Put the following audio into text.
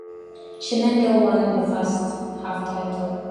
Shenandoah won the first half title.